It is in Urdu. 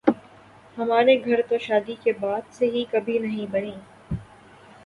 ہمارے گھر تو شادی کے بعد سے ہی کبھی نہیں بنی